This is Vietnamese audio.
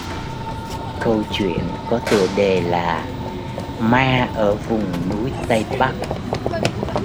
Câu chuyện có tựa đề là Ma ở vùng núi Tây Bắc